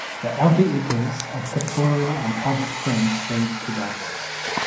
The outer edges of pectoral and pelvic fins shade to darker.